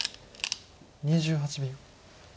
２８秒。